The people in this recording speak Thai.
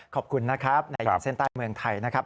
ขอบคุณนะครับในขีดเส้นใต้เมืองไทยนะครับ